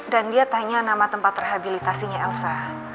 dan dia tanya nama tempat rehabilitasinya elsa